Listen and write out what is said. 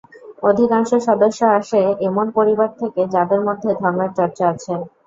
অধিকাংশ সদস্য আসে এমন পরিবার থেকে, যাদের মধ্যে ধর্মের চর্চা আছে।